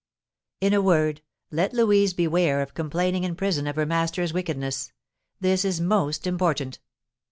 "In a word, let Louise beware of complaining in prison of her master's wickedness. This is most important.